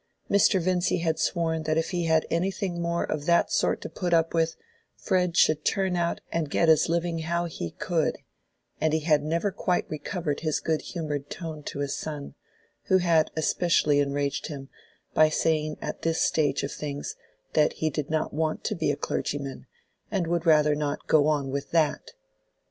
Mr. Vincy had sworn that if he had anything more of that sort to put up with, Fred should turn out and get his living how he could; and he had never yet quite recovered his good humored tone to his son, who had especially enraged him by saying at this stage of things that he did not want to be a clergyman, and would rather not "go on with that."